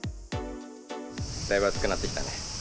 だいぶ暑くなってきたね。